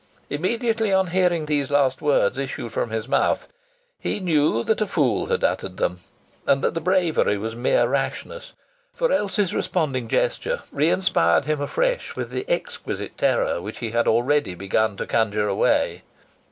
Immediately on hearing these last words issue from his mouth he knew that a fool had uttered them, and that the bravery was mere rashness. For Elsie's responding gesture reinspired him afresh with the exquisite terror which he had already begun to conjure away.